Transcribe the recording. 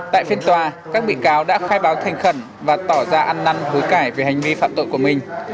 tại phiên tòa các bị cáo đã khai báo thành khẩn và tỏ ra ăn năn hối cải về hành vi phạm tội của mình